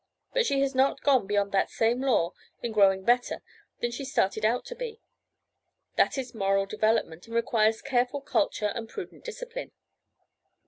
But she has not gone beyond that same law in growing better than she started out to be—that is moral development, and requires careful culture and prudent discipline."